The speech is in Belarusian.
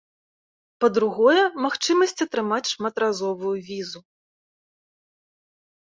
Па-другое, магчымасць атрымаць шматразовую візу.